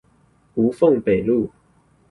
吳鳳北路